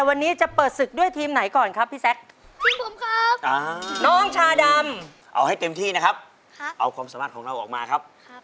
วันนี้มากับพ่อแม่และพี่สาวครับ